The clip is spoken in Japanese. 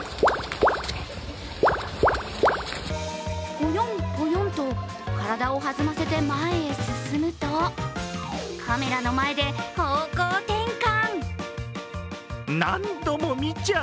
ポヨン、ポヨンと体を弾ませて前へ進むとカメラの前で方向転換。